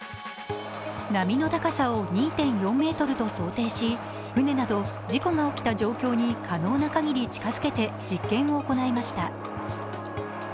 波の高さを２．４ｍと想定し、海など事故が起きた状況に可能なかぎり近づけて実験を行いました。